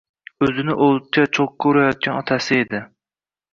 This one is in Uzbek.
O‘zini o‘tga-cho‘qqa urayotgan otasi edi.